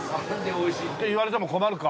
って言われても困るか。